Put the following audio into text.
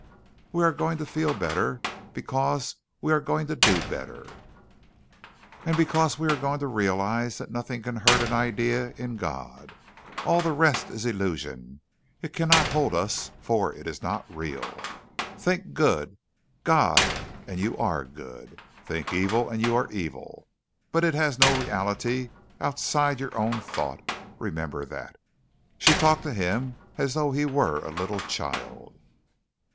We are going to feel better, because we are going to do better, and because we are going to realize that nothing can hurt an idea in God. All the rest is illusions. It cannot hold us, for it is not real. Think good God and you are good. Think evil and you are evil, but it has no reality outside your own thought. Remember that." She talked to him as though he was a little child.